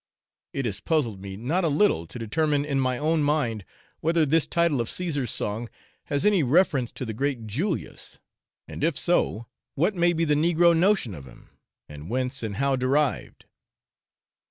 It has puzzled me not a little to determine in my own mind whether this title of Caesar's song has any reference to the great Julius, and if so what may be the negro notion of him, and whence and how derived.